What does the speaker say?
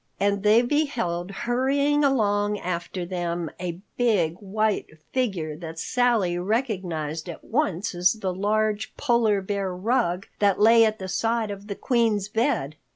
And they beheld hurrying along after them a big, white figure that Sally recognized at once as the large Polar Bear rug that lay at the side of the Queen's bed.